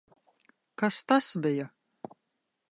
Kas tas bija?